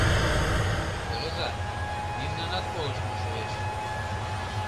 — Ойлыза, мемнанат колыштмо шуэш.